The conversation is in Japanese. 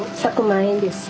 １００万円です。